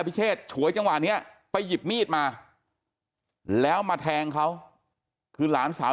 พิเศษฉวยจังหวะนี้ไปหยิบมีดมาแล้วมาแทงเขาคือหลานสาว